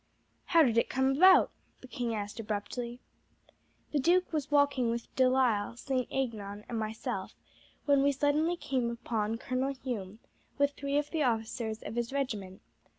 "How did it come about?" the king asked abruptly. "The duke was walking with De Lisle, St. Aignan, and myself, when we suddenly came upon Colonel Hume with three of the officers of his regiment.